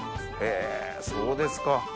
へぇそうですか。